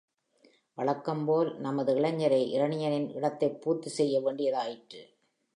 வழக்கம் போல் நமது இளைஞரே இரண்யனின் இடத்தைப் பூர்த்தி செய்ய வேண்டியதாயிற்று.